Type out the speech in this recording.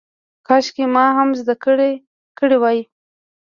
کاشکې ما هم زده کړه کړې وای.